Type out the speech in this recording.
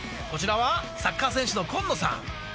こちらはサッカー選手の今野さん。